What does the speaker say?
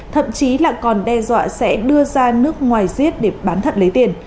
thậm chí là còn đe dọa sẽ đưa ra nước ngoài giết để bán thận lấy tiền